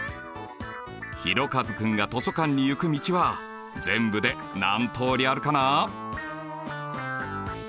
ひろかず君が図書館に行く道は全部で何通りあるかな？